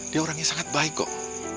dia orangnya sangat baik kok